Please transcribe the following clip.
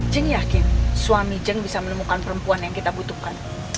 jeng yakin suami jeng bisa menemukan perempuan yang kita butuhkan